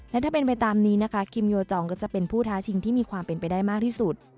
และถ้าเป็นไปตามนี้นะคะคิมโยจองก็จะเป็นผู้ท้าชิงที่มีความเป็นไปได้มากที่สุด